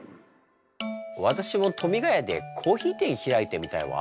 私も富ヶ谷でコーヒー店開いてみたいわ。